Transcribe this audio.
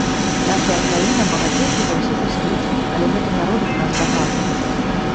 Нашая краіна багацейшая за ўсіх у свеце, але гэта не робіць нас багатымі.